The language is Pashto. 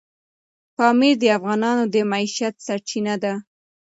پامیر د افغانانو د معیشت سرچینه ده.